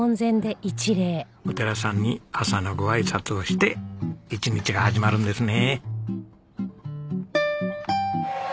お寺さんに朝のごあいさつをして一日が始まるんですね。